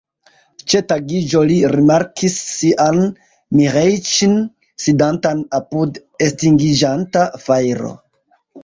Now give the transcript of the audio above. Ĉe tagiĝo li rimarkis sian Miĥeiĉ'n, sidantan apud estingiĝanta fajro.